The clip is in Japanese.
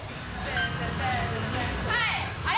はい、あれ。